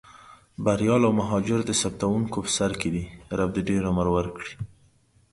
بریال او مهاجر د ثبتوونکو په سر کې دي، رب دې ډېر عمر ورکړي.